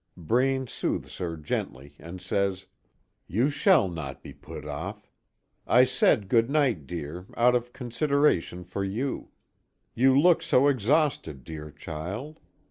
Braine soothes her gently and says: "You shall not be put off. I said good night, dear, out of consideration for you. You look so exhausted, dear child.